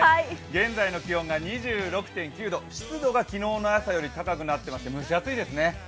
現在の気温が２６．９度、湿度が昨日の朝より高くなってまして蒸し暑いですね。